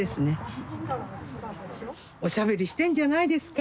おしゃべりしてんじゃないですか。